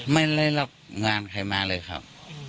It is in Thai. ไม่ได้รับงานใครมาเลยครับ